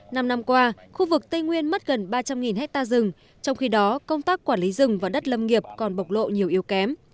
năm năm qua khu vực tây nguyên mất gần ba trăm linh hectare rừng trong khi đó công tác quản lý rừng và đất lâm nghiệp còn bộc lộ nhiều yếu kém